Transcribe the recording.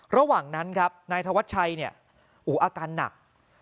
ระหว่างนั้นครับนายธวัชชัยเนี่ยอาการหนัก